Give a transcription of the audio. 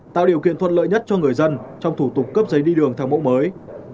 tạo điều kiện thuận lợi nhất cho người dân trong thủ tục cấp giấy đi đường theo mẫu mới